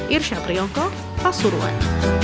irsyad riongkok pasuruan